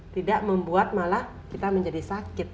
tidak membuat malah kita menjadi sakit